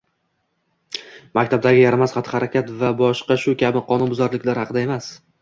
maktabdagi yaramas xatti-harakat va boshqa shu kabi qonunbuzarliklar haqida emas